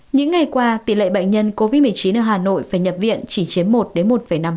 những ngày qua tỷ lệ bệnh nhân covid một mươi chín ở hà nội phải nhập viện chỉ chiếm một đến một năm